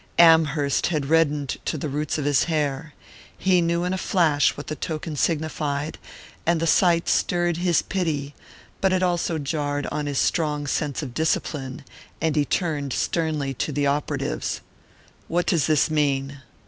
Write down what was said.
Amherst had reddened to the roots of his hair. He knew in a flash what the token signified, and the sight stirred his pity; but it also jarred on his strong sense of discipline, and he turned sternly to the operatives. "What does this mean?"